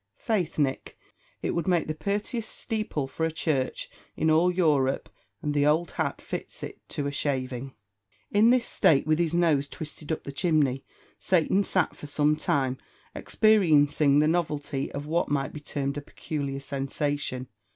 Faith, Nick, it would make the purtiest steeple for a church, in all Europe, and the old hat fits it to a shaving." In this state, with his nose twisted up the chimney, Satan sat for some time, experiencing the novelty of what might be termed a peculiar sensation.